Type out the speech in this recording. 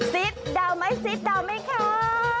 ซิดดาวไหมซิดดาวไหมครับ